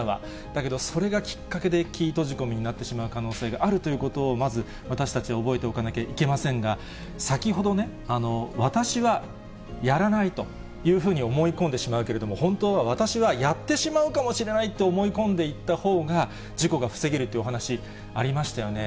だけどそれがきっかけでキー閉じ込みになってしまう可能性があるということを、まず私たちは覚えておかなくてはいけませんが、先ほどね、私はやらないというふうに思い込んでしまうけれども、本当は私はやってしまうかもしれないと思い込んでいったほうが、事故が防げるってお話、ありましたよね。